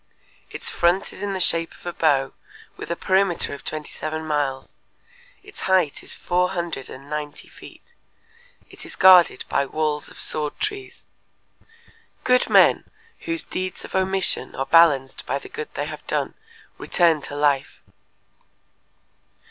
Its front is in the shape of a bow with a perimeter of twenty seven miles; its height is four hundred and ninety feet. It is guarded by walls of sword trees. Good men, whose deeds of omission are balanced by the good they have done, return to life.